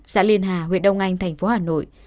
xã liên hà huyện đông anh thành phố hà nội